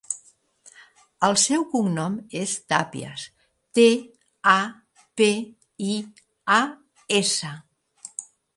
El seu cognom és Tapias: te, a, pe, i, a, essa.